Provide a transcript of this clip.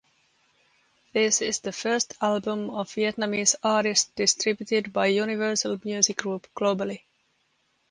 This is the first album of Vietnamese artist distributed by Universal Music Group globally.